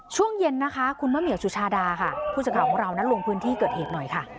ช่วงเย็นนะคะคุณมะเหมียวสุชาดาค่ะผู้สื่อข่าวของเรานั้นลงพื้นที่เกิดเหตุหน่อยค่ะ